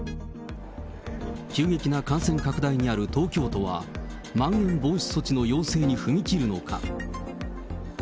急激な感染拡大にある東京都は、まん延防止措置の要請に踏み切るのか。